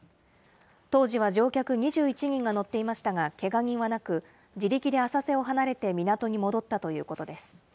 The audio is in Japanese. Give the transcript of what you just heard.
当時は乗客２１人が乗っていましたがけが人はなく、自力で浅瀬を離れて港に戻ったということです。